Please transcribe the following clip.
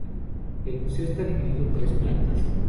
El museo está dividido en tres plantas.